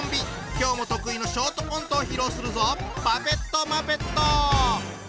今日も得意のショートコントを披露するぞ！